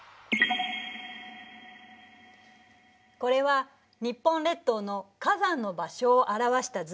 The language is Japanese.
これは日本列島の火山の場所を表した図。